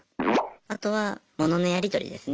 あとは物のやり取りですね。